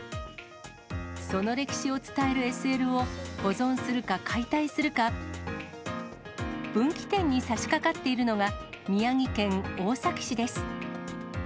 その歴史を伝えるＳＬを、保存するか、解体するか、分岐点にさしかかっているのが、宮城県大崎市です。